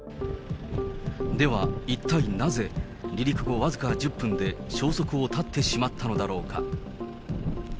では、一体なぜ、離陸後僅か１０分で消息を絶ってしまったのだろうか。